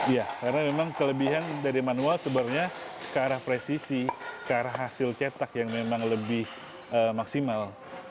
ya karena memang kelebihan dari manual sebenarnya ke arah presisi ke arah hasil cetak yang memang lebih maksimal